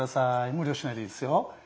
無理をしないでいいですよ。